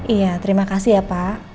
iya terima kasih ya pak